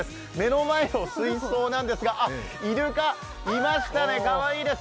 目の前の水槽なんですが、イルカ、いましたね、かわいいです。